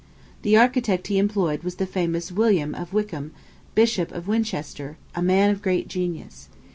The architect he employed was the famous William of Wykeham, Bishop of Winchester, a man of great genius.